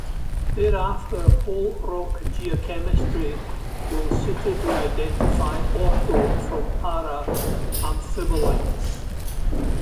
Thereafter, whole rock geochemistry will suitably identify ortho- from para-amphibolites.